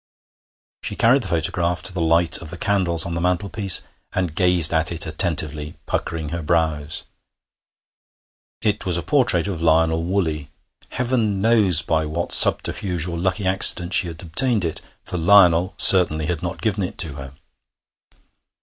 She carried the photograph to the light of the candles on the mantelpiece, and gazed at it attentively, puckering her brows. It was a portrait of Lionel Woolley. Heaven knows by what subterfuge or lucky accident she had obtained it, for Lionel certainly had not given it to her.